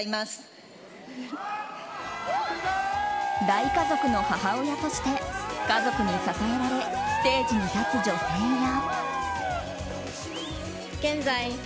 大家族の母親として家族に支えられステージに立つ女性や。